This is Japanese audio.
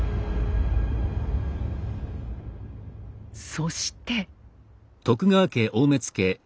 そして。